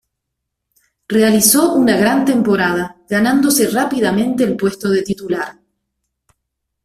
Realizó una gran temporada, ganándose rápidamente el puesto de titular.